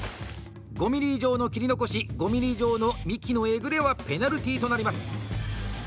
５ｍｍ以上の切り残し５ｍｍ以上の幹のえぐれはペナルティーとなります。